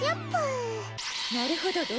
なるほど！